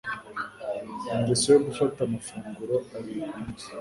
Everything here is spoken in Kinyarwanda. Ingeso yo gufata amafunguro abiri ku munsi